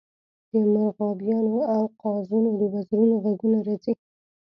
د مرغابیانو او قازونو د وزرونو غږونه راځي